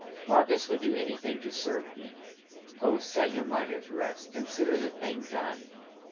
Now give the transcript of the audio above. Marcus would do anything to serve me. Oh, set your mind at rest. Consider the thing done.